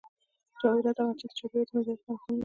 جواهرات د افغانستان د چاپیریال د مدیریت لپاره مهم دي.